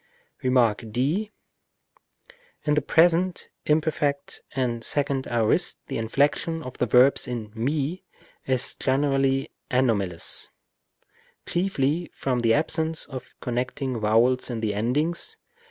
Rem. d. In the present, imperfect, and second aorist, the inflection of verbs in μὲ is generally anomalous, chiefly from the absence of connect ing vowels in the endings.